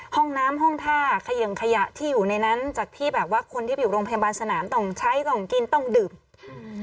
ห้องน้ำห้องท่าเขย่งขยะที่อยู่ในนั้นจากที่แบบว่าคนที่ไปอยู่โรงพยาบาลสนามต้องใช้ต้องกินต้องดื่มอืม